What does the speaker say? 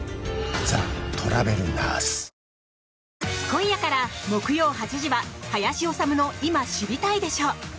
今夜から木曜８時は「林修の今、知りたいでしょ！」